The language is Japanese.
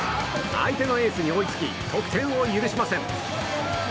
相手のエースに追いつき得点を許しません。